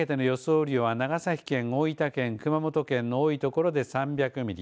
雨量は長崎県、大分県、熊本県の多いところで３００ミリ